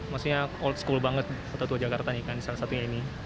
maksudnya old school banget kota tua jakarta nih kan salah satunya ini